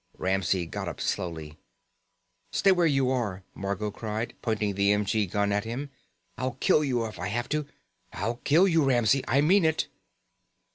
Ramsey got up slowly. "Stay where you are!" Margot cried, pointing the m.g. gun at him. "I'll kill you if I have to. I'll kill you, Ramsey, I mean it."